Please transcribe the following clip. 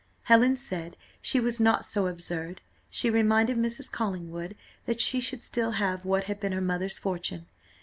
Helen said she was not so absurd; she reminded Mrs. Collingwood that she should still have what had been her mother's fortune.